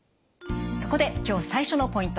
そこで今日最初のポイント